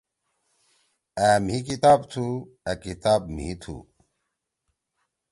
أ مھی کتاب تُھو۔ أ کتاب مھی تُھو۔